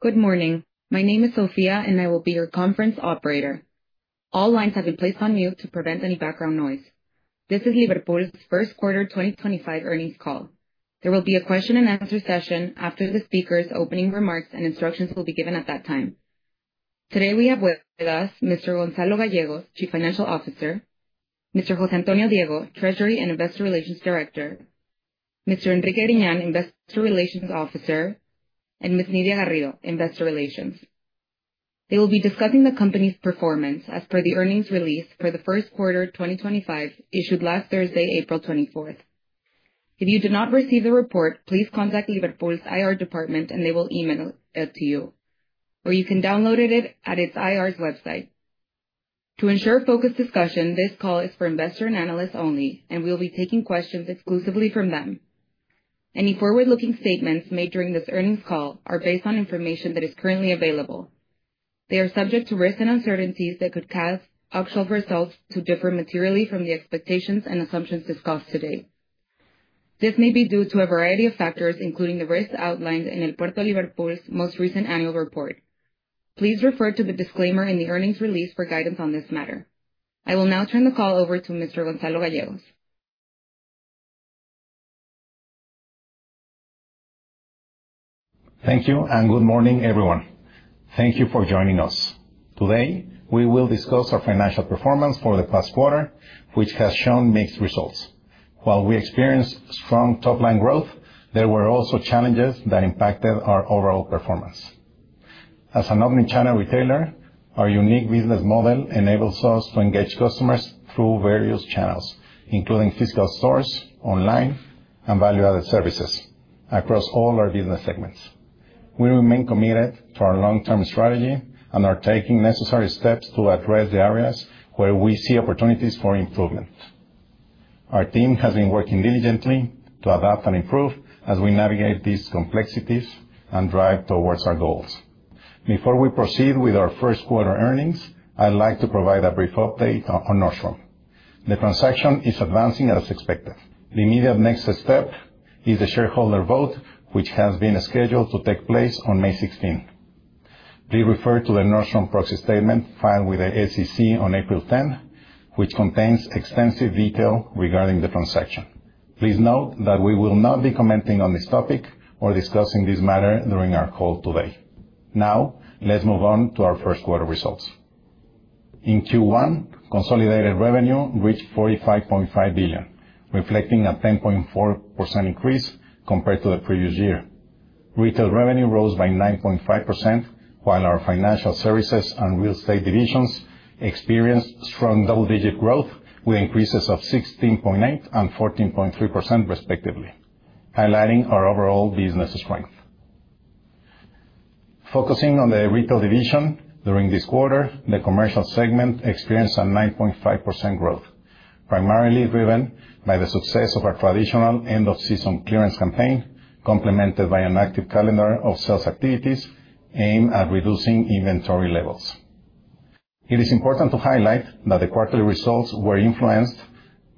Good morning. My name is Sofia, and I will be your conference operator. All lines have been placed on mute to prevent any background noise. This is Liverpool's first quarter 2025 earnings call. There will be a question-and-answer session after the speaker's opening remarks, and instructions will be given at that time. Today we have with us Mr. Gonzalo Gallegos, Chief Financial Officer; Mr. José Antonio Diego, Treasury and Investor Relations Director; Mr. Enrique Griñán, Investor Relations Officer; and Ms. Nidia Garrido, Investor Relations. They will be discussing the company's performance as per the earnings release for the first quarter 2025, issued last Thursday, April 24. If you did not receive the report, please contact Liverpool's IR department, and they will email it to you, or you can download it at its IR's website. To ensure focused discussion, this call is for investors and analysts only, and we will be taking questions exclusively from them. Any forward-looking statements made during this earnings call are based on information that is currently available. They are subject to risks and uncertainties that could cause actual results to differ materially from the expectations and assumptions discussed today. This may be due to a variety of factors, including the risks outlined in El Puerto de Liverpool's most recent annual report. Please refer to the disclaimer in the earnings release for guidance on this matter. I will now turn the call over to Mr. Gonzalo Gallegos. Thank you and good morning, everyone. Thank you for joining us. Today we will discuss our financial performance for the past quarter, which has shown mixed results. While we experienced strong top-line growth, there were also challenges that impacted our overall performance. As an omnichannel retailer, our unique business model enables us to engage customers through various channels, including physical stores, online, and value-added services, across all our business segments. We remain committed to our long-term strategy and are taking necessary steps to address the areas where we see opportunities for improvement. Our team has been working diligently to adapt and improve as we navigate these complexities and drive towards our goals. Before we proceed with our first quarter earnings, I'd like to provide a brief update on Nordstrom. The transaction is advancing as expected. The immediate next step is the shareholder vote, which has been scheduled to take place on May 16. Please refer to the Nordstrom proxy statement filed with the SEC on April 10, which contains extensive detail regarding the transaction. Please note that we will not be commenting on this topic or discussing this matter during our call today. Now, let's move on to our first quarter results. In Q1, consolidated revenue reached 45.5 billion, reflecting a 10.4% increase compared to the previous year. Retail revenue rose by 9.5%, while our financial services and real estate divisions experienced strong double-digit growth with increases of 16.8% and 14.3%, respectively, highlighting our overall business strength. Focusing on the retail division, during this quarter, the commercial segment experienced a 9.5% growth, primarily driven by the success of our traditional end-of-season clearance campaign, complemented by an active calendar of sales activities aimed at reducing inventory levels. It is important to highlight that the quarterly results were influenced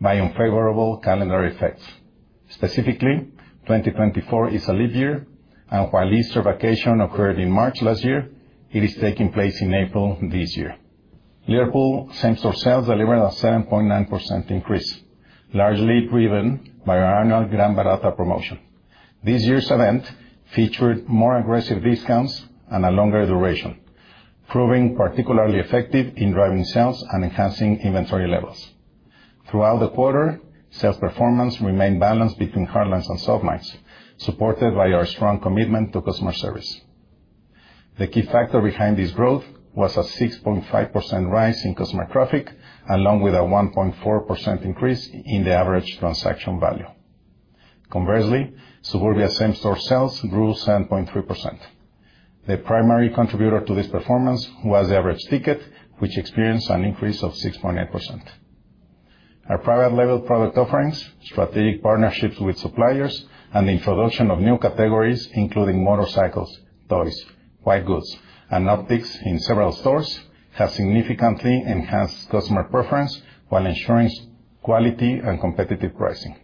by unfavorable calendar effects. Specifically, 2024 is a leap year, and while Easter vacation occurred in March last year, it is taking place in April this year. Liverpool's same-store sales delivered a 7.9% increase, largely driven by our annual Gran Barata promotion. This year's event featured more aggressive discounts and a longer duration, proving particularly effective in driving sales and enhancing inventory levels. Throughout the quarter, sales performance remained balanced between hard lines and soft lines, supported by our strong commitment to customer service. The key factor behind this growth was a 6.5% rise in customer traffic, along with a 1.4% increase in the average transaction value. Conversely, Suburbia's same-store sales grew 7.3%. The primary contributor to this performance was the average ticket, which experienced an increase of 6.8%. Our private-label product offerings, strategic partnerships with suppliers, and the introduction of new categories, including motorcycles, toys, white goods, and optics in several stores, have significantly enhanced customer preference while ensuring quality and competitive pricing.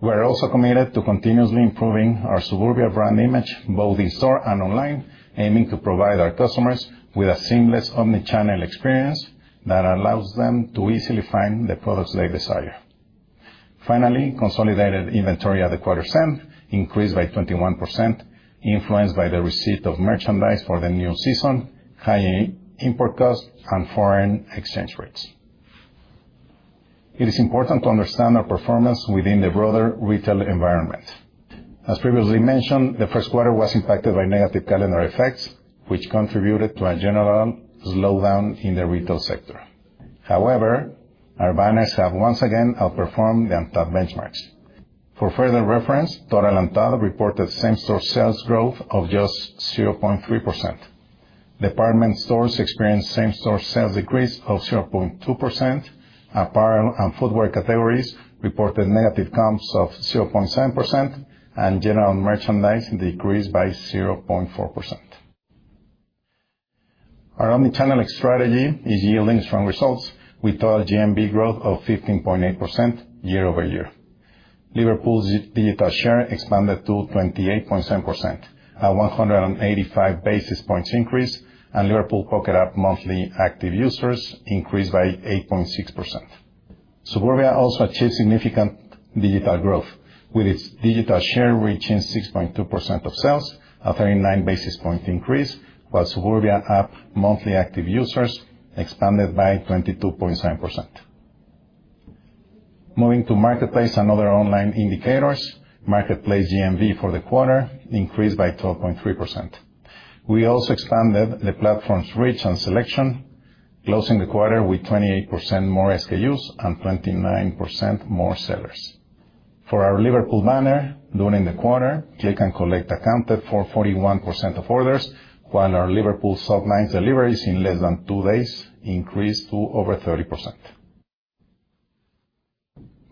We are also committed to continuously improving our Suburbia brand image, both in-store and online, aiming to provide our customers with a seamless omnichannel experience that allows them to easily find the products they desire. Finally, consolidated inventory at the quarter end increased by 21%, influenced by the receipt of merchandise for the new season, high import costs, and foreign exchange rates. It is important to understand our performance within the broader retail environment. As previously mentioned, the first quarter was impacted by negative calendar effects, which contributed to a general slowdown in the retail sector. However, our banners have once again outperformed the ANTAD benchmarks. For further reference, Total ANTAD reported same-store sales growth of just 0.3%. Department stores experienced same-store sales decrease of 0.2%, apparel and footwear categories reported negative comps of 0.7%, and general merchandise decreased by 0.4%. Our omnichannel strategy is yielding strong results, with total GMV growth of 15.8% year over year. Liverpool's digital share expanded to 28.7%, a 185 basis points increase, and Liverpool Pocket app monthly active users increased by 8.6%. Suburbia also achieved significant digital growth, with its digital share reaching 6.2% of sales, a 39 basis point increase, while Suburbia app monthly active users expanded by 22.7%. Moving to marketplace and other online indicators, marketplace GMV for the quarter increased by 12.3%. We also expanded the platform's reach and selection, closing the quarter with 28% more SKUs and 29% more sellers. For our Liverpool banner, during the quarter, click-and-collect accounted for 41% of orders, while our Liverpool soft lines deliveries in less than two days increased to over 30%.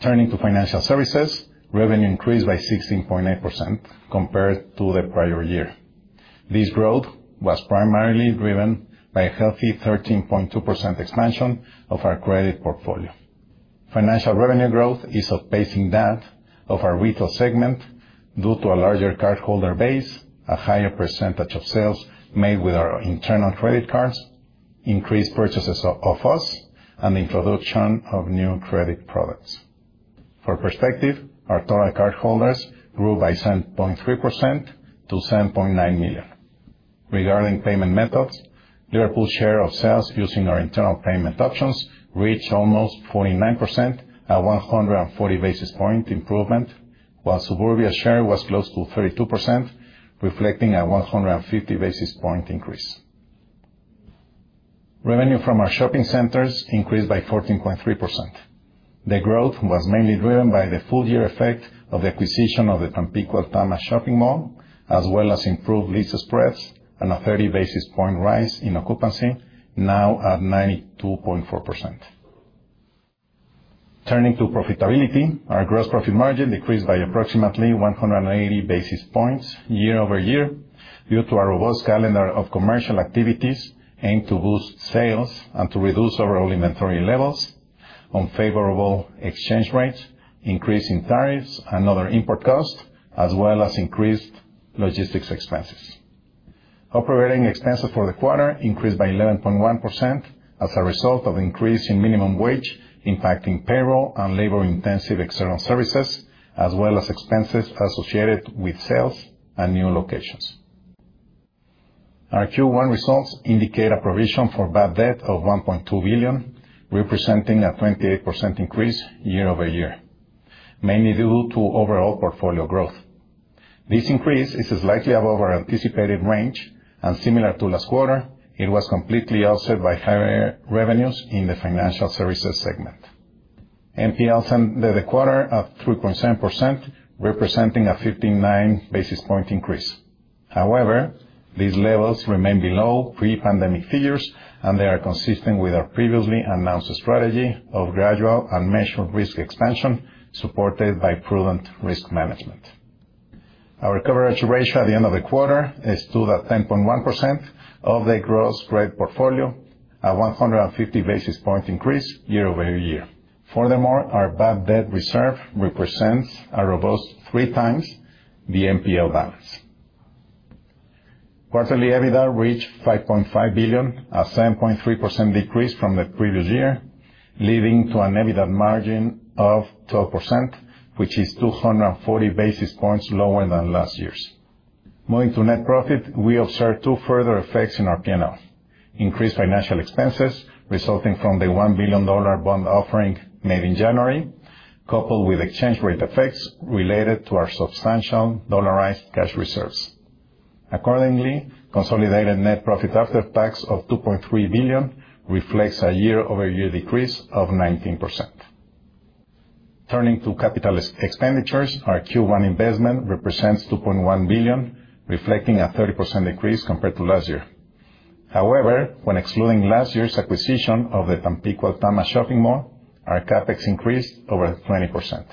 Turning to financial services, revenue increased by 16.8% compared to the prior year. This growth was primarily driven by a healthy 13.2% expansion of our credit portfolio. Financial revenue growth is surpassing that of our retail segment due to a larger cardholder base, a higher percentage of sales made with our internal credit cards, increased purchases of us, and the introduction of new credit products. For perspective, our total cardholders grew by 7.3% to 7.9 million. Regarding payment methods, Liverpool's share of sales using our internal payment options reached almost 49%, a 140 basis point improvement, while Suburbia's share was close to 32%, reflecting a 150 basis point increase. Revenue from our shopping centers increased by 14.3%. The growth was mainly driven by the full-year effect of the acquisition of the Tampico Altama shopping mall, as well as improved lease spreads and a 30 basis point rise in occupancy, now at 92.4%. Turning to profitability, our gross profit margin decreased by approximately 180 basis points year over year due to our robust calendar of commercial activities aimed to boost sales and to reduce overall inventory levels, unfavorable exchange rates, increasing tariffs and other import costs, as well as increased logistics expenses. Operating expenses for the quarter increased by 11.1% as a result of the increase in minimum wage, impacting payroll and labor-intensive external services, as well as expenses associated with sales and new locations. Our Q1 results indicate a provision for bad debt of 1.2 billion, representing a 28% increase year over year, mainly due to overall portfolio growth. This increase is slightly above our anticipated range, and similar to last quarter, it was completely offset by higher revenues in the financial services segment. NPLs ended the quarter at 3.7%, representing a 59 basis point increase. However, these levels remain below pre-pandemic figures, and they are consistent with our previously announced strategy of gradual and measured risk expansion supported by prudent risk management. Our coverage ratio at the end of the quarter stood at 10.1% of the gross loan portfolio, a 150 basis point increase year over year. Furthermore, our bad debt reserve represents a robust three times the NPL balance. Quarterly EBITDA reached 5.5 billion, a 7.3% decrease from the previous year, leading to an EBITDA margin of 12%, which is 240 basis points lower than last year's. Moving to net profit, we observed two further effects in our P&L: increased financial expenses resulting from the $1 billion bond offering made in January, coupled with exchange rate effects related to our substantial dollarized cash reserves. Accordingly, consolidated net profit after tax of 2.3 billion reflects a year-over-year decrease of 19%. Turning to capital expenditures, our Q1 investment represents 2.1 billion, reflecting a 30% decrease compared to last year. However, when excluding last year's acquisition of the Tampico Altama shopping mall, our CapEx increased over 20%.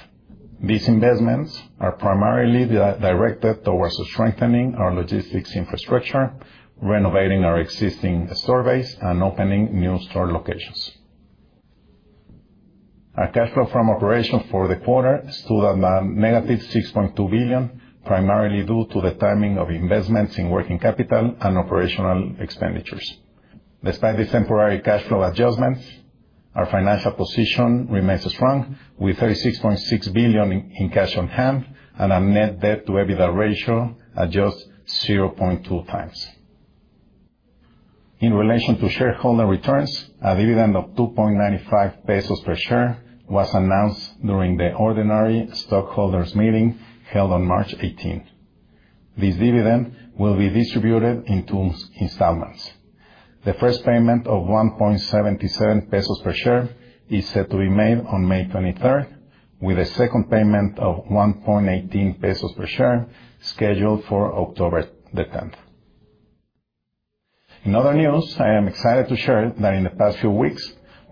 These investments are primarily directed towards strengthening our logistics infrastructure, renovating our existing store base, and opening new store locations. Our cash flow from operations for the quarter stood at a -6.2 billion, primarily due to the timing of investments in working capital and operational expenditures. Despite these temporary cash flow adjustments, our financial position remains strong, with 36.6 billion in cash on hand and a net debt-to-EBITDA ratio at just 0.2 times. In relation to shareholder returns, a dividend of 2.95 pesos per share was announced during the ordinary stockholders' meeting held on March 18. This dividend will be distributed into installments. The first payment of 1.77 pesos per share is set to be made on May 23, with a second payment of 1.18 pesos per share scheduled for October 10th. In other news, I am excited to share that in the past few weeks,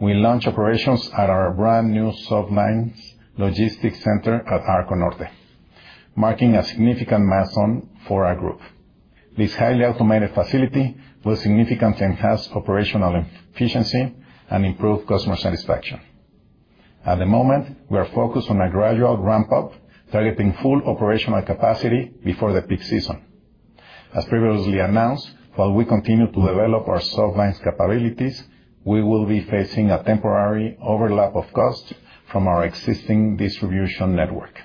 we launched operations at our brand new soft lines logistics center at Arco Norte, marking a significant milestone for our group. This highly automated facility will significantly enhance operational efficiency and improve customer satisfaction. At the moment, we are focused on a gradual ramp-up, targeting full operational capacity before the peak season. As previously announced, while we continue to develop our soft lines capabilities, we will be facing a temporary overlap of costs from our existing distribution network.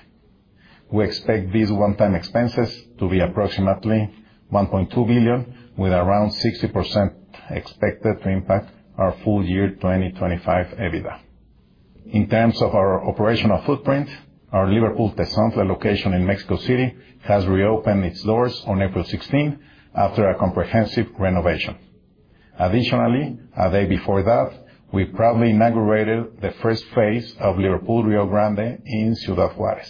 We expect these one-time expenses to be approximately 1.2 billion, with around 60% expected to impact our full year 2025 EBITDA. In terms of our operational footprint, our Liverpool Tezontle location in Mexico City has reopened its doors on April 16 after a comprehensive renovation. Additionally, a day before that, we proudly inaugurated the first phase of Liverpool Rio Grande in Ciudad Juárez,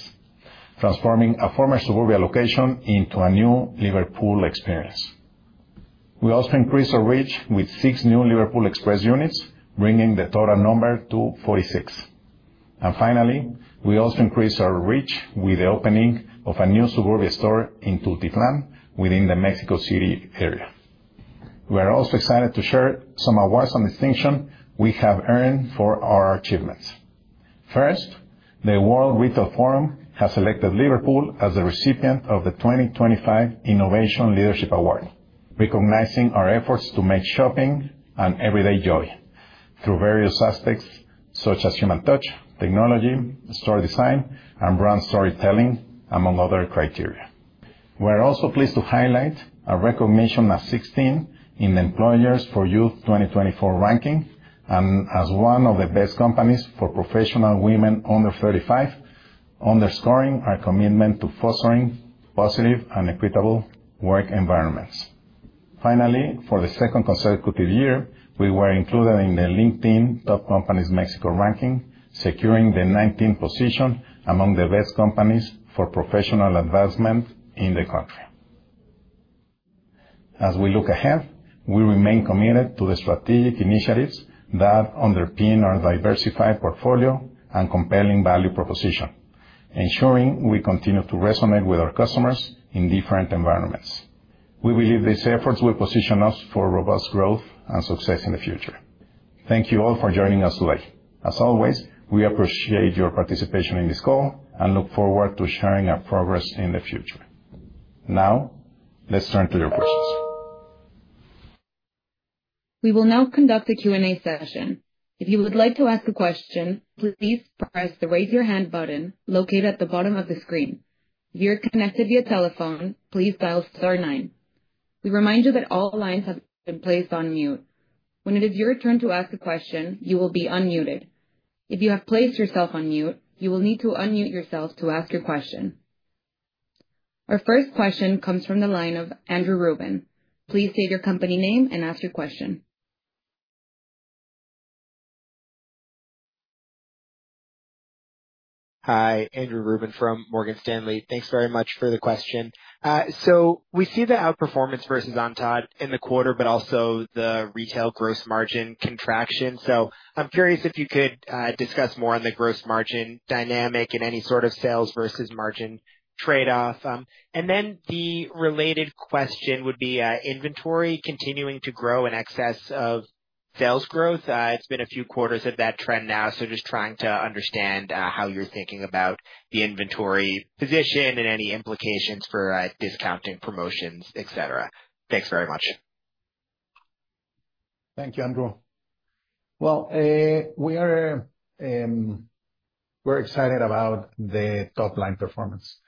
transforming a former Suburbia location into a new Liverpool experience. We also increased our reach with six new Liverpool Express units, bringing the total number to 46. Finally, we also increased our reach with the opening of a new Suburbia store in Tultitlán within the Mexico City area. We are also excited to share some awards and distinctions we have earned for our achievements. First, the World Retail Forum has selected Liverpool as the recipient of the 2025 Innovation Leadership Award, recognizing our efforts to make shopping an everyday joy through various aspects such as human touch, technology, store design, and brand storytelling, among other criteria. We are also pleased to highlight our recognition at 16 in the Employers for Youth 2024 ranking and as one of the best companies for professional women under 35, underscoring our commitment to fostering positive and equitable work environments. Finally, for the second consecutive year, we were included in the LinkedIn Top Companies Mexico ranking, securing the 19th position among the best companies for professional advancement in the country. As we look ahead, we remain committed to the strategic initiatives that underpin our diversified portfolio and compelling value proposition, ensuring we continue to resonate with our customers in different environments. We believe these efforts will position us for robust growth and success in the future. Thank you all for joining us today. As always, we appreciate your participation in this call and look forward to sharing our progress in the future. Now, let's turn to your questions. We will now conduct a Q&A session. If you would like to ask a question, please press the raise your hand button located at the bottom of the screen. If you're connected via telephone, please dial star nine. We remind you that all lines have been placed on mute. When it is your turn to ask a question, you will be unmuted. If you have placed yourself on mute, you will need to unmute yourself to ask your question. Our first question comes from the line of Andrew Ruben. Please state your company name and ask your question. Hi, Andrew Ruben from Morgan Stanley. Thanks very much for the question. We see the outperformance versus ANTAD in the quarter, but also the retail gross margin contraction. I'm curious if you could discuss more on the gross margin dynamic and any sort of sales versus margin trade-off. The related question would be inventory continuing to grow in excess of sales growth. It's been a few quarters of that trend now, so just trying to understand how you're thinking about the inventory position and any implications for discounting promotions, etc. Thanks very much. Thank you, Andrew. We're excited about the top line performance.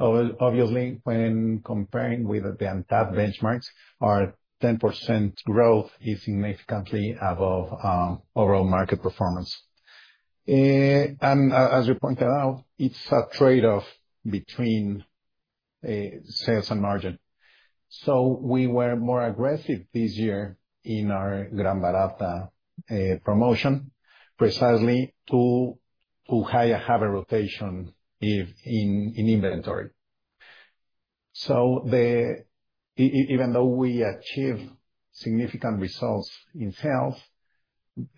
Obviously, when comparing with the ANTAD benchmarks, our 10% growth is significantly above overall market performance. As you pointed out, it's a trade-off between sales and margin. We were more aggressive this year in our Gran Barata promotion, precisely to have better rotation in inventory. Even though we achieved significant results in sales,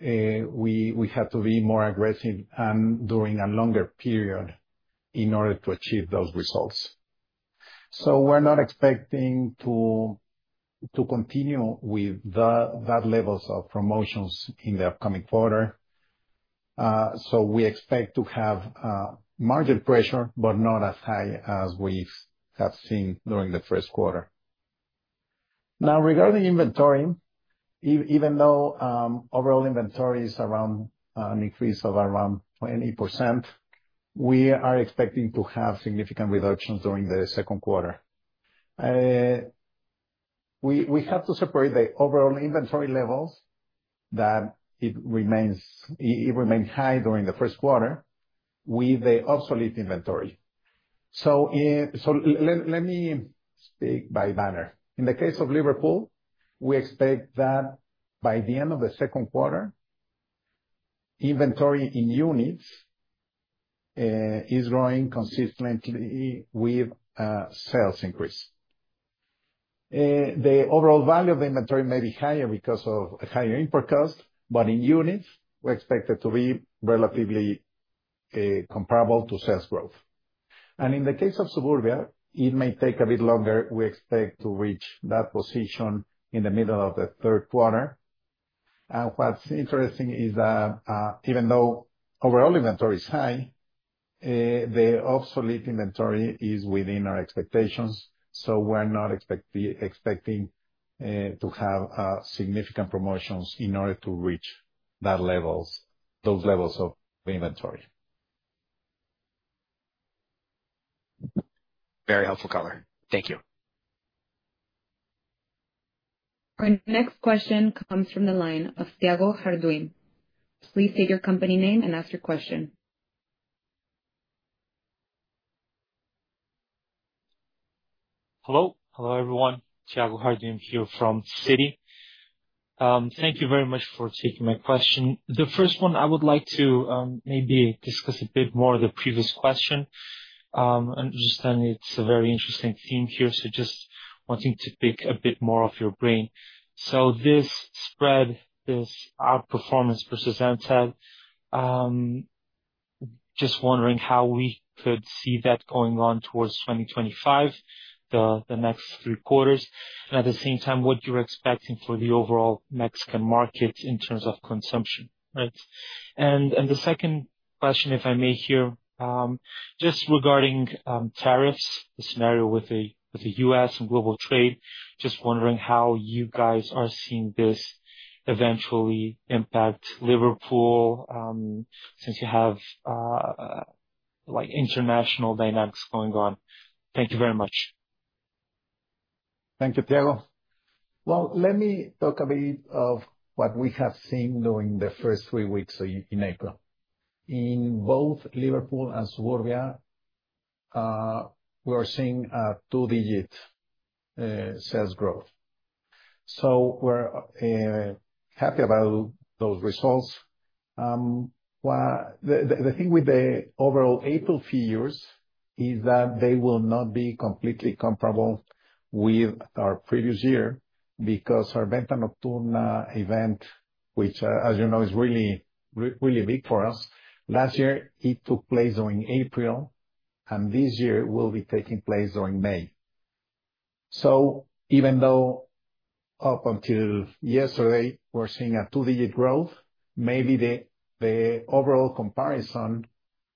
we had to be more aggressive and during a longer period in order to achieve those results. We're not expecting to continue with that level of promotions in the upcoming quarter. We expect to have margin pressure, but not as high as we have seen during the first quarter. Regarding inventory, even though overall inventory is around an increase of around 20%, we are expecting to have significant reductions during the second quarter. We have to separate the overall inventory levels that remained high during the first quarter with the obsolete inventory. So let me speak by banner. In the case of Liverpool, we expect that by the end of the second quarter, inventory in units is growing consistently with sales increase. The overall value of the inventory may be higher because of higher import costs, but in units, we're expected to be relatively comparable to sales growth. In the case of Suburbia, it may take a bit longer. We expect to reach that position in the middle of the third quarter. What's interesting is that even though overall inventory is high, the obsolete inventory is within our expectations. So we're not expecting to have significant promotions in order to reach those levels of inventory. Very helpful, color. Thank you. Our next question comes from the line of Thiago Jahufer. Please state your company name and ask your question. Hello. Hello, everyone. Thiago Jahufer here from Citi. Thank you very much for taking my question. The first one, I would like to maybe discuss a bit more of the previous question. I understand it's a very interesting theme here, so just wanting to pick a bit more of your brain. So this spread, this outperformance versus ANTAD, just wondering how we could see that going on towards 2025, the next three quarters, and at the same time, what you're expecting for the overall Mexican market in terms of consumption, right? The second question, if I may here, just regarding tariffs, the scenario with the US and global trade, just wondering how you guys are seeing this eventually impact Liverpool since you have international dynamics going on. Thank you very much. Thank you, Thiago. Let me talk a bit of what we have seen during the first three weeks in April. In both Liverpool and Suburbia, we are seeing a two-digit sales growth. We're happy about those results. The thing with the overall April figures is that they will not be completely comparable with our previous year because our Venta Nocturna event, which, as you know, is really big for us, last year it took place during April, and this year it will be taking place during May. Even though up until yesterday, we're seeing a two-digit growth, maybe the overall comparison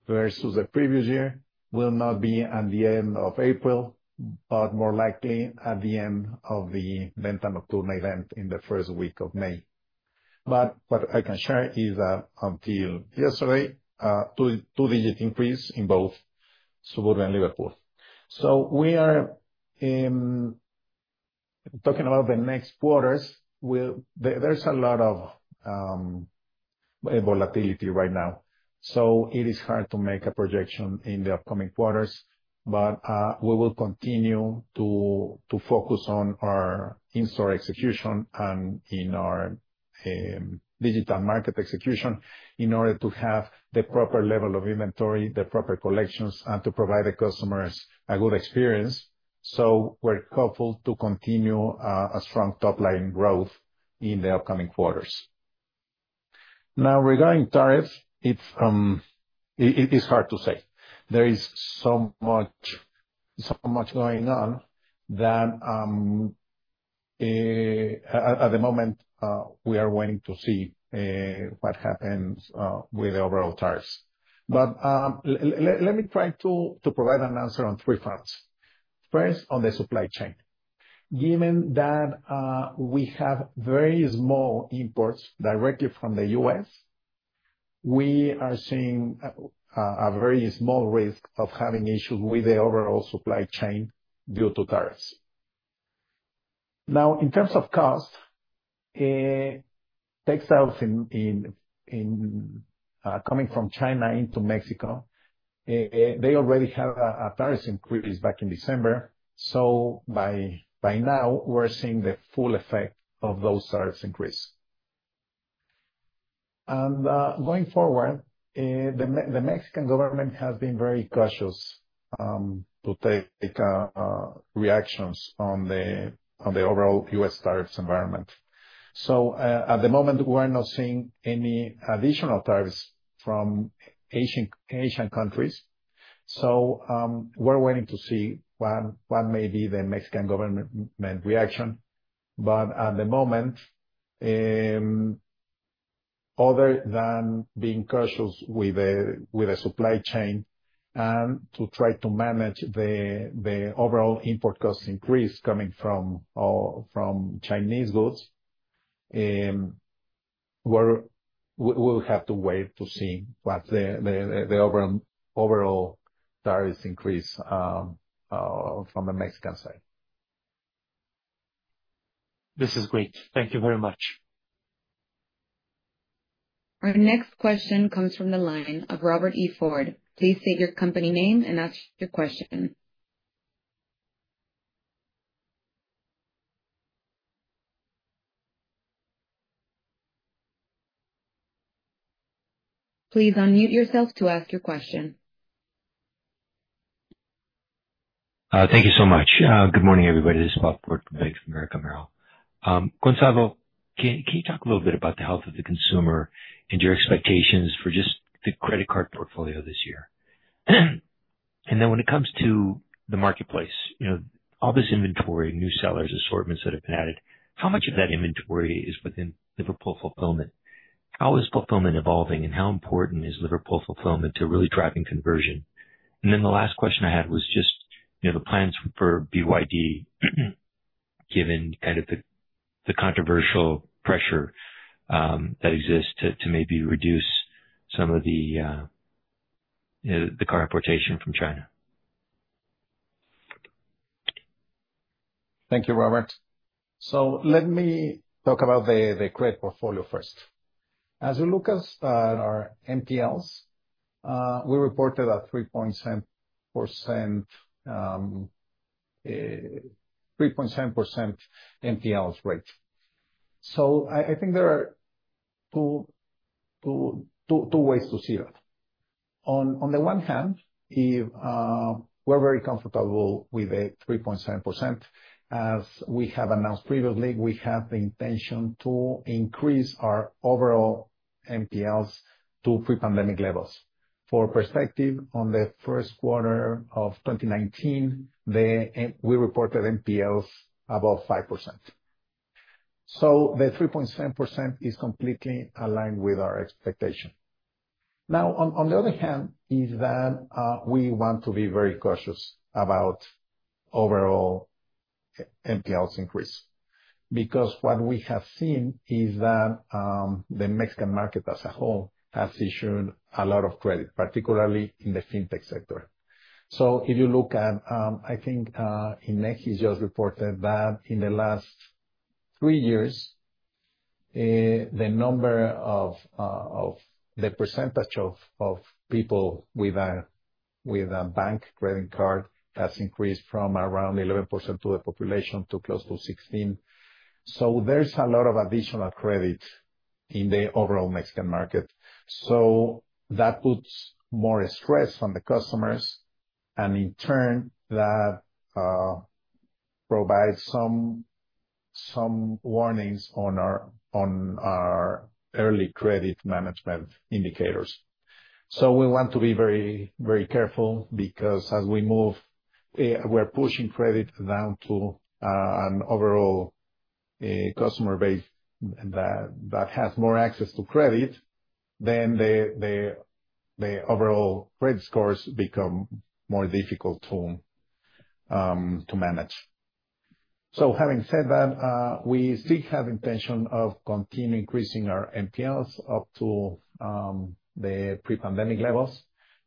versus the previous year will not be at the end of April, but more likely at the end of the Venta Nocturna event in the first week of May. What I can share is that until yesterday, a two-digit increase in both Suburbia and Liverpool. We are talking about the next quarters. There's a lot of volatility right now, so it is hard to make a projection in the upcoming quarters, but we will continue to focus on our in-store execution and in our digital market execution in order to have the proper level of inventory, the proper collections, and to provide the customers a good experience. We're hopeful to continue a strong top line growth in the upcoming quarters. Now, regarding tariffs, it is hard to say. There is so much going on that at the moment, we are waiting to see what happens with the overall tariffs. But let me try to provide an answer on three fronts. First, on the supply chain. Given that we have very small imports directly from the US, we are seeing a very small risk of having issues with the overall supply chain due to tariffs. Now, in terms of cost, textiles coming from China into Mexico, they already had a tariff increase back in December. So by now, we're seeing the full effect of those tariffs increase. Going forward, the Mexican government has been very cautious to take reactions on the overall US tariffs environment. So at the moment, we're not seeing any additional tariffs from Asian countries. So we're waiting to see what may be the Mexican government reaction. But at the moment, other than being cautious with the supply chain and to try to manage the overall import cost increase coming from Chinese goods, we'll have to wait to see what the overall tariffs increase from the Mexican side. This is great. Thank you very much. Our next question comes from the line of Robert E. Ford. Please state your company name and ask your question. Please unmute yourself to ask your question. Thank you so much. Good morning, everybody. This is Bob from Bank of America Merrill. Gonzalo, can you talk a little bit about the health of the consumer and your expectations for just the credit card portfolio this year? When it comes to the marketplace, all this inventory, new sellers, assortments that have been added, how much of that inventory is within Liverpool Fulfillment? How is fulfillment evolving, and how important is Liverpool Fulfillment to really driving conversion? The last question I had was just the plans for BYD, given kind of the controversial pressure that exists to maybe reduce some of the car importation from China. Thank you, Robert. Let me talk about the credit portfolio first. As we look at our NPLs, we reported a 3.7% NPL rate. I think there are two ways to see it. On the one hand, we're very comfortable with the 3.7%. As we have announced previously, we have the intention to increase our overall NPLs to pre-pandemic levels. For perspective, on the first quarter of 2019, we reported NPLs above 5%. The 3.7% is completely aligned with our expectation. On the other hand, we want to be very cautious about overall NPLs increase because what we have seen is that the Mexican market as a whole has issued a lot of credit, particularly in the fintech sector. If you look at, I think INEGI has just reported that in the last three years, the number of the percentage of people with a bank credit card has increased from around 11% of the population to close to 16%. There's a lot of additional credit in the overall Mexican market. That puts more stress on the customers, and in turn, that provides some warnings on our early credit management indicators. We want to be very careful because as we move, we're pushing credit down to an overall customer base that has more access to credit, then the overall credit scores become more difficult to manage. Having said that, we still have the intention of continuing increasing our NPLs up to the pre-pandemic levels,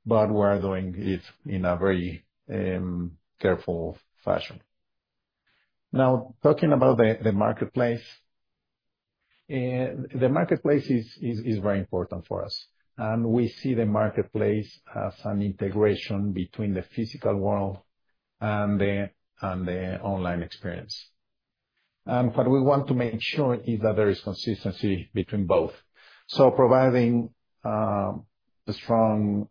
but we're doing it in a very careful fashion. Now, talking about the marketplace, the marketplace is very important for us. We see the marketplace as an integration between the physical world and the online experience. What we want to make sure is that there is consistency between both. Providing strong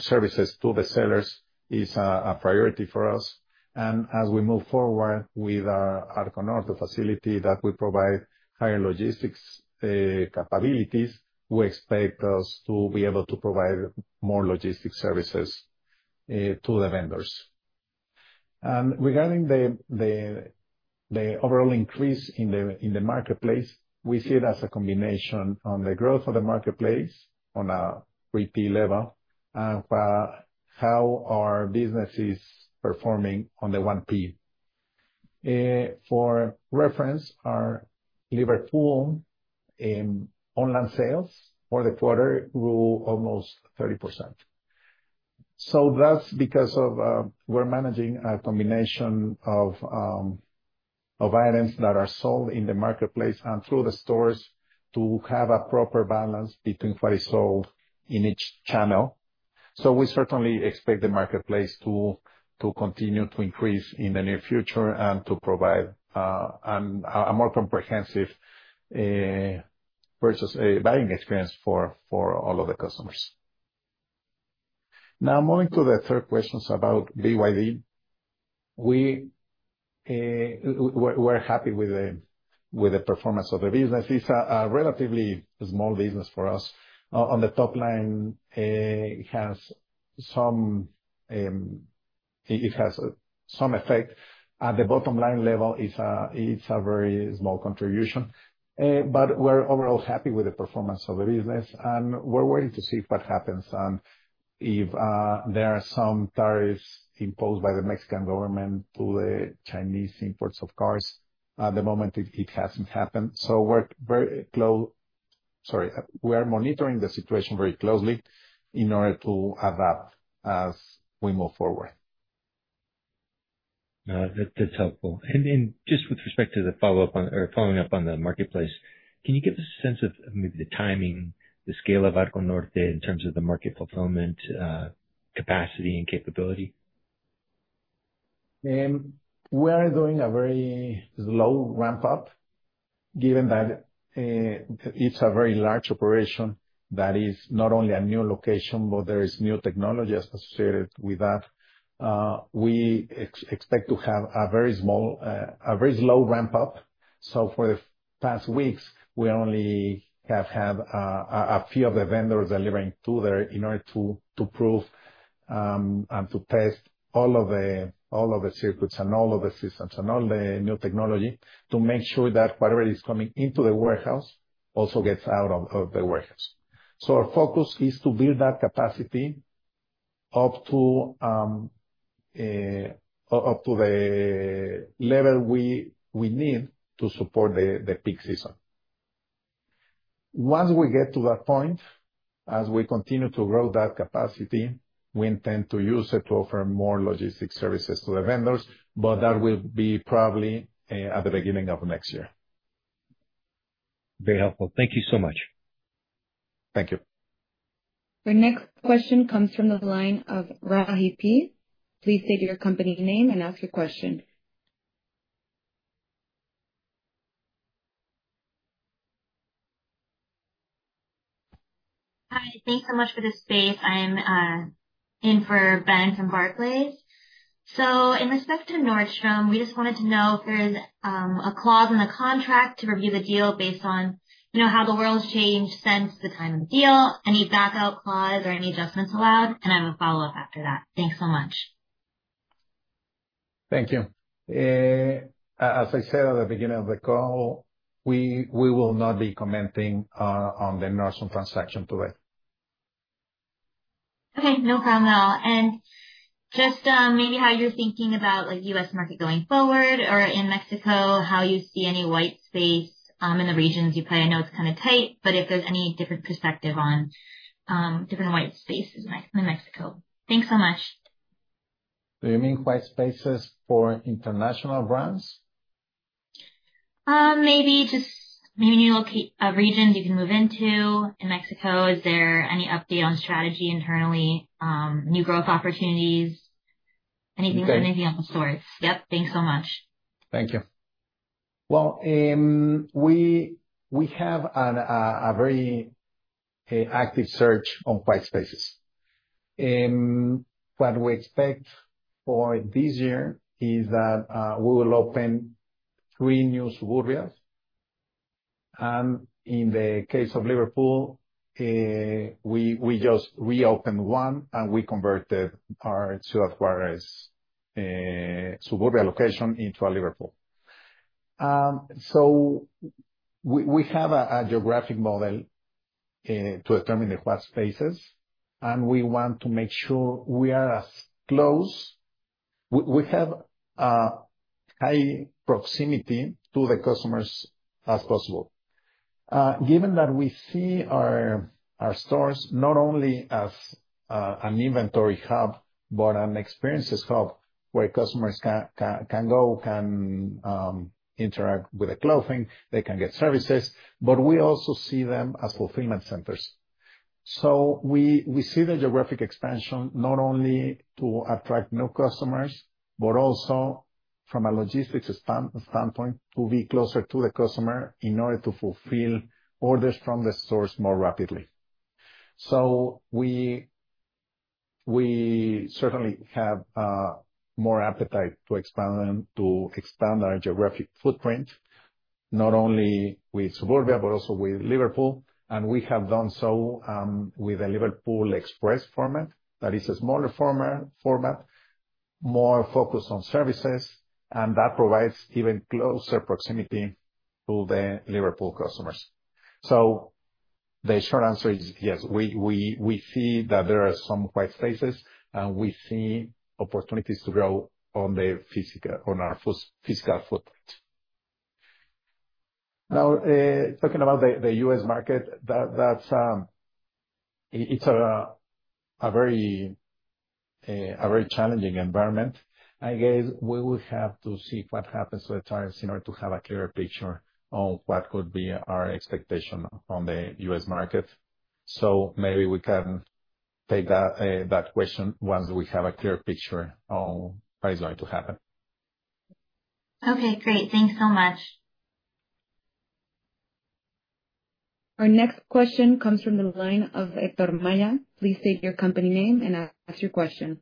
services to the sellers is a priority for us. As we move forward with our Arco Norte facility that we provide higher logistics capabilities, we expect us to be able to provide more logistics services to the vendors. Regarding the overall increase in the marketplace, we see it as a combination on the growth of the marketplace on a 3P level and how our business is performing on the 1P. For reference, our Liverpool online sales for the quarter grew almost 30%. That's because we're managing a combination of items that are sold in the marketplace and through the stores to have a proper balance between what is sold in each channel. We certainly expect the marketplace to continue to increase in the near future and to provide a more comprehensive purchase buying experience for all of the customers. Now, moving to the third question about BYD, we're happy with the performance of the business. It's a relatively small business for us. On the top line, it has some effect. At the bottom line level, it's a very small contribution. But we're overall happy with the performance of the business, and we're waiting to see what happens. If there are some tariffs imposed by the Mexican government to the Chinese imports of cars, at the moment, it hasn't happened. We are monitoring the situation very closely in order to adapt as we move forward. That's helpful. Just with respect to the follow-up or following up on the marketplace, can you give us a sense of maybe the timing, the scale of Arco Norte in terms of the market fulfillment capacity and capability? We are doing a very slow ramp-up given that it's a very large operation that is not only a new location, but there is new technology associated with that. We expect to have a very slow ramp-up. For the past weeks, we only have had a few of the vendors delivering to there in order to prove and to test all of the circuits and all of the systems and all the new technology to make sure that whatever is coming into the warehouse also gets out of the warehouse. Our focus is to build that capacity up to the level we need to support the peak season. Once we get to that point, as we continue to grow that capacity, we intend to use it to offer more logistics services to the vendors, but that will be probably at the beginning of next year. Very helpful. Thank you so much. Thank you. Our next question comes from the line of Rahip. Please state your company name and ask your question. Hi. Thanks so much for the space. I'm in for Ben from Barclays. So in respect to Nordstrom, we just wanted to know if there's a clause in the contract to review the deal based on how the world's changed since the time of the deal, any backup clause or any adjustments allowed, and have a follow-up after that. Thanks so much. Thank you. As I said at the beginning of the call, we will not be commenting on the Nordstrom transaction today. Okay. No problem at all. And just maybe how you're thinking about US market going forward or in Mexico, how you see any white space in the regions you play. I know it's kind of tight, but if there's any different perspective on different white spaces in Mexico. Thanks so much. Do you mean white spaces for international brands? Maybe just maybe new regions you can move into in Mexico. Is there any update on strategy internally, new growth opportunities, anything of that sort? Yep. Thanks so much. Thank you. We have a very active search on white spaces. What we expect for this year is that we will open three new Suburbias. In the case of Liverpool, we just reopened one and we converted our two acquirers' Suburbia location into a Liverpool. We have a geographic model to determine the white spaces, and we want to make sure we are as close we have high proximity to the customers as possible. Given that we see our stores not only as an inventory hub, but an experiences hub where customers can go, can interact with the clothing, they can get services, but we also see them as fulfillment centers. We see the geographic expansion not only to attract new customers, but also from a logistics standpoint to be closer to the customer in order to fulfill orders from the stores more rapidly. We certainly have more appetite to expand our geographic footprint not only with Suburbia, but also with Liverpool. We have done this with the Liverpool Express format that is a smaller format, more focused on services, and that provides even closer proximity to the Liverpool customers. The short answer is yes. We see that there are some white spaces, and we see opportunities to grow on our physical footprint. Now, talking about the US market, it's a very challenging environment. I guess we will have to see what happens to the tariffs in order to have a clearer picture on what could be our expectation on the US market. Maybe we can take that question once we have a clear picture on what is going to happen. Great. Thanks so much. Our next question comes from the line of Héctor Maya. Please state your company name and ask your question.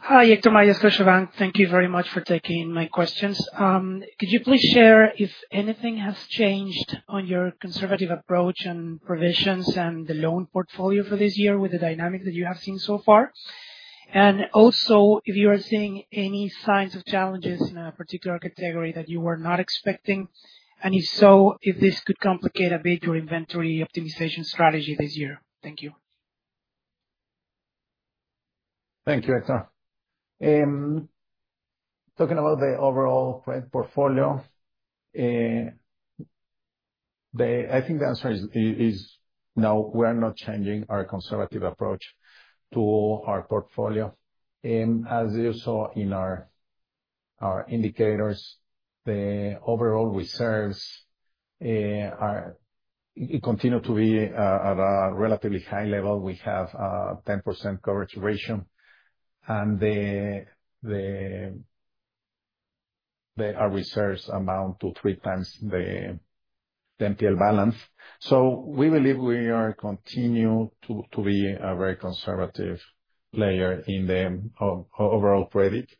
Hi, Héctor Maya Scotiabank. Thank you very much for taking my questions. Could you please share if anything has changed on your conservative approach and provisions and the loan portfolio for this year with the dynamic that you have seen far? Also, if you are seeing any signs of challenges in a particular category that you were not expecting, and if so, if this could complicate a bit your inventory optimization strategy this year. Thank you. Thank you, Héctor. Talking about the overall credit portfolio, I think the answer is no. We are not changing our conservative approach to our portfolio. As you saw in our indicators, the overall reserves continue to be at a relatively high level. We have a 10% coverage ratio, and our reserves amount to three times the NPL balance. We believe we are continuing to be a very conservative player in the overall credit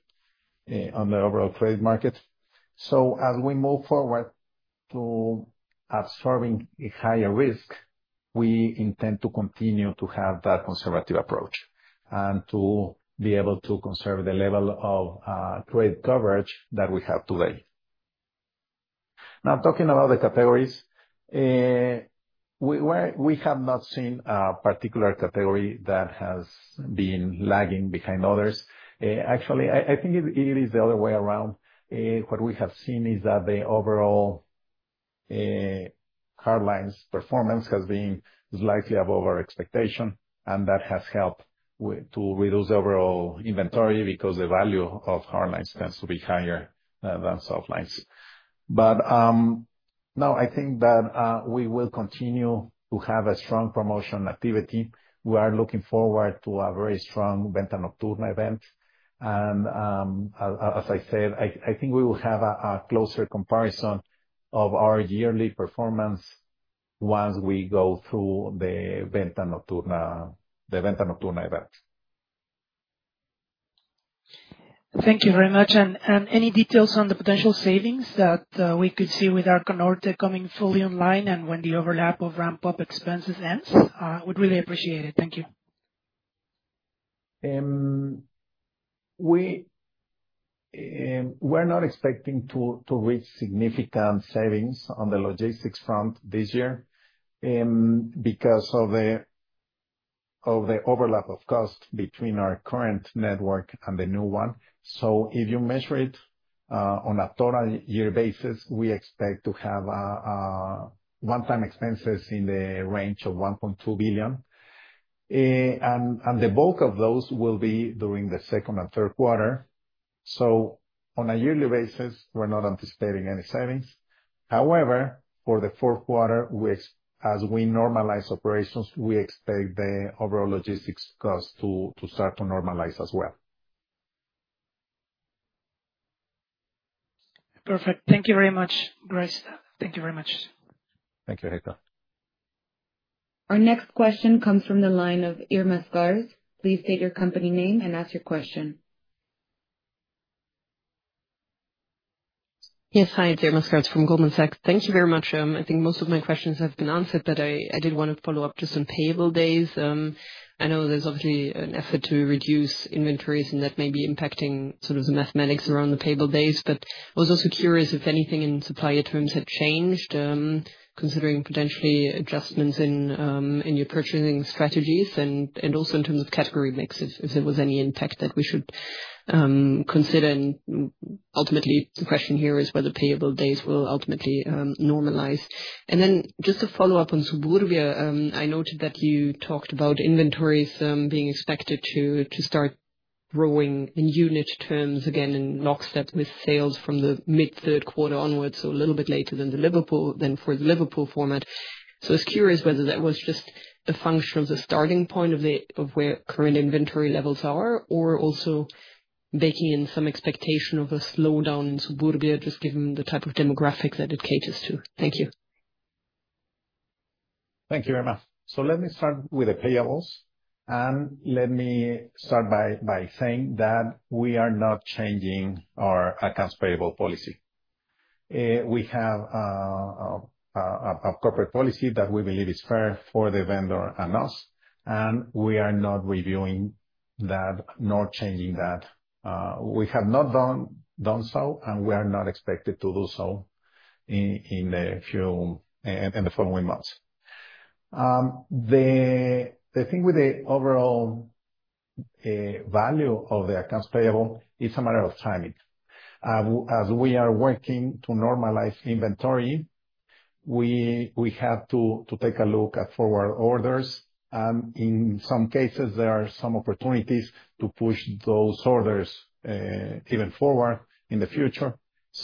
market. As we move forward to absorbing higher risk, we intend to continue to have that conservative approach and to be able to conserve the level of credit coverage that we have today. Now, talking about the categories, we have not seen a particular category that has been lagging behind others. Actually, I think it is the other way around. What we have seen is that the overall hardlines' performance has been slightly above our expectation, and that has helped to reduce the overall inventory because the value of hardlines tends to be higher than softlines. But now, I think that we will continue to have a strong promotion activity. We are looking forward to a very strong Venta Nocturna event. As I said, I think we will have a closer comparison of our yearly performance once we go through the Venta Nocturna event. Thank you very much. Any details on the potential savings that we could see with Arco Norte coming fully online and when the overlap of ramp-up expenses ends? We'd really appreciate it. Thank you. We're not expecting to reach significant savings on the logistics front this year because of the overlap of cost between our current network and the new one. If you measure it on a total year basis, we expect to have one-time expenses in the range of 1.2 billion. The bulk of those will be during the second and third quarter. On a yearly basis, we're not anticipating any savings. However, for the fourth quarter, as we normalize operations, we expect the overall logistics cost to start to normalize as well. Perfect. Thank you very much, Grace. Thank you very much. Thank you, Héctor. Our next question comes from the line of Irma Sgarz. Please state your company name and ask your question. Yes, hi. It's Irma Sgarz from Goldman Sachs. Thank you very much. I think most of my questions have been answered, but I did want to follow up just on payable days. I know there's obviously an effort to reduce inventories, and that may be impacting sort of the mathematics around the payable days. But I was also curious if anything in supplier terms had changed considering potentially adjustments in your purchasing strategies and also in terms of category mix, if there was any impact that we should consider. Ultimately, the question here is whether payable days will ultimately normalize. Then just to follow up on Suburbia, I noted that you talked about inventories being expected to start growing in unit terms again in lockstep with sales from the mid-third quarter onward, so a little bit later than for the Liverpool format. I was curious whether that was just a function of the starting point of where current inventory levels are or also baking in some expectation of a slowdown in Suburbia just given the type of demographic that it caters to. Thank you. Thank you very much. Let me start with the payables. Let me start by saying that we are not changing our accounts payable policy. We have a corporate policy that we believe is fair for the vendor and us, and we are not reviewing that nor changing that. We have not done so, and we are not expected to do so in the following months. The thing with the overall value of the accounts payable is a matter of timing. As we are working to normalize inventory, we have to take a look at forward orders. In some cases, there are opportunities to push those orders even forward in the future.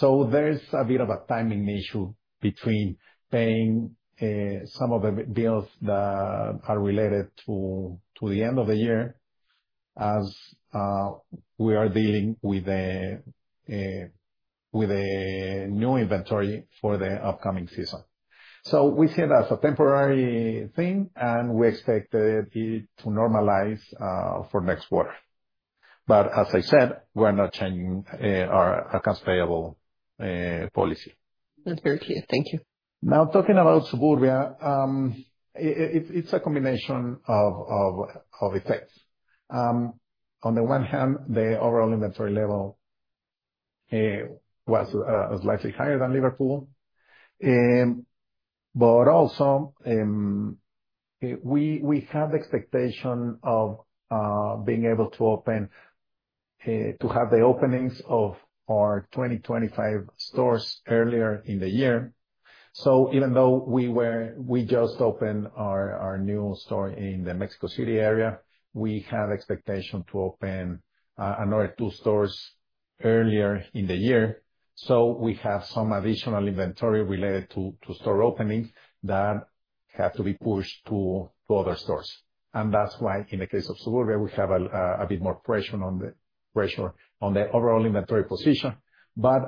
There's a bit of a timing issue between paying some of the bills that are related to the end of the year as we are dealing with the new inventory for the upcoming season. We see it as a temporary thing, and we expect it to normalize for next quarter. As I said, we're not changing our accounts payable policy. That's very clear. Thank you. Talking about Suburbia, it's a combination of effects. On the one hand, the overall inventory level was slightly higher than Liverpool. We had the expectation of being able to have the openings of our 2025 stores earlier in the year. Even though we just opened our new store in the Mexico City area, we had the expectation to open another two stores earlier in the year. We have some additional inventory related to store openings that have to be pushed to other stores. That's why, in the case of Suburbia, we have a bit more pressure on the overall inventory position. But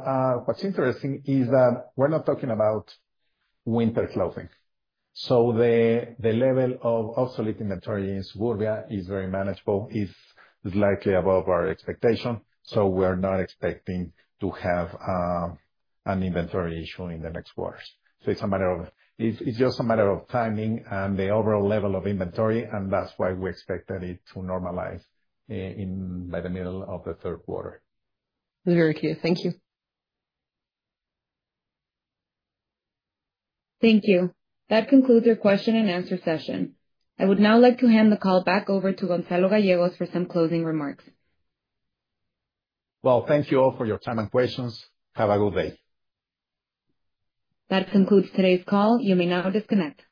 what's interesting is that we're not talking about winter clothing. The level of obsolete inventory in Suburbia is very manageable. It's slightly above our expectation. We are not expecting to have an inventory issue in the next quarters. It's just a matter of timing and the overall level of inventory, and that's why we expected it to normalize by the middle of the third quarter. That's very clear. Thank you. Thank you. That concludes our question and answer session. I would now like to hand the call back over to Gonzalo Gallegos for some closing remarks. Well, thank you all for your time and questions. Have a good day. That concludes today's call. You may now disconnect.